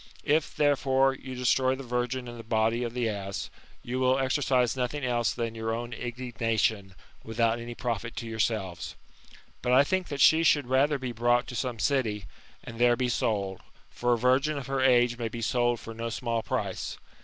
If, therefore, you destroy the virgin in the body of the ass, you will exercise nothing else than your own indignation, without any profit to yourselves. But I think that she should rather be brought to some city, and there be sold; for a virgin of her age may be sold for no small price.